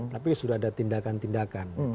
tapi sudah ada tindakan tindakan